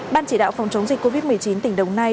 ban chỉ đạo phòng chống dịch covid một mươi chín tỉnh đồng nai